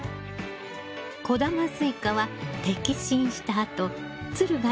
小玉スイカは摘心したあとつるが